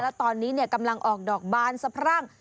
และตอนนี้กำลังออกดอกบานสะพรั่ง